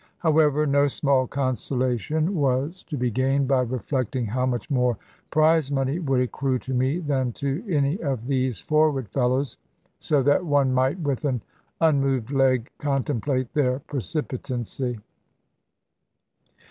However, no small consolation was to be gained by reflecting how much more prize money would accrue to me than to any of these forward fellows, so that one might with an unmoved leg contemplate their precipitancy.